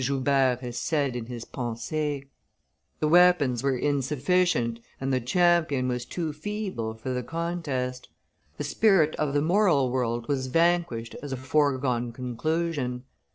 Joubert has said in his Pensees. The weapons were insufficient and the champion was too feeble for the contest; the spirit of the moral world was vanquished as a foregone conclusion.